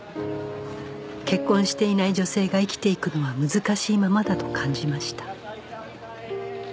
結婚していない女性が生きていくのは難しいままだと感じました